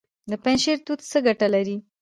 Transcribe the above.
د پنجشیر توت څه ګټه لري؟